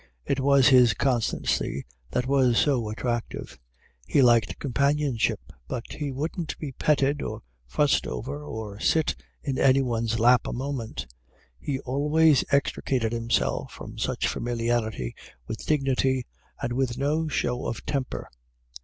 It was his constancy that was so attractive. He liked companionship, but he wouldn't be petted, or fussed over, or sit in anyone's lap a moment; he always extricated himself from such familiarity with dignity and with no show of temper.